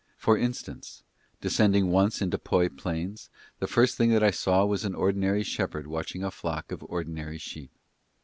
For instance, descending once into Poy Plains, the first thing that I saw was an ordinary shepherd watching a flock of ordinary sheep.